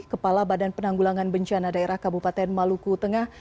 kepala badan penanggulangan bencana daerah kabupaten maluku tengah